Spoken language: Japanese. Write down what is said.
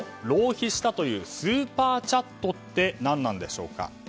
浪費したというスーパーチャットって何なんでしょうか。